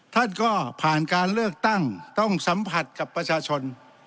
ท่านก็ผ่านการเลือกตั้งต้องสัมผัสกับประชาชน